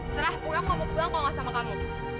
serah gue mau pulang kalau gak sama kamu